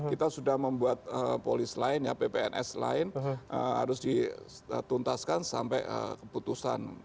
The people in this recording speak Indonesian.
kita sudah membuat polis lain ya ppns lain harus dituntaskan sampai keputusan